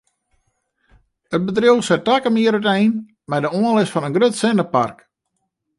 It bedriuw set takom jier útein mei de oanlis fan in grut sinnepark.